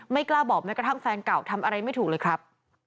กล้าบอกแม้กระทั่งแฟนเก่าทำอะไรไม่ถูกเลยครับ